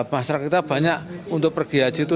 masyarakat kita banyak untuk pergi haji itu